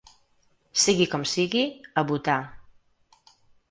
Sigui com sigui, a votar.